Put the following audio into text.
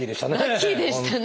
ラッキーでしたね。